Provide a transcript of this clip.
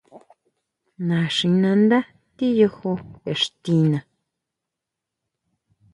Naxinándá tiyuju ixtiná.